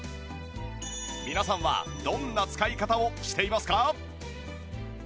皆さんはどんな使い方をしていますか？